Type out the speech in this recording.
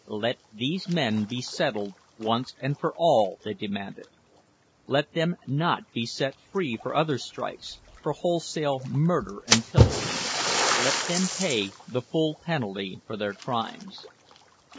Let these men be settled once and for all, they demanded. Let them not be set free for other strikes, for wholesale murder and pillage. Let them pay the full penalty for their crimes!